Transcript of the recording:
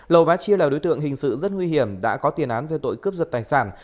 lầu bá chia là đối tượng hình sự rất nguy hiểm đã có tiền án về tội cướp giật tài sản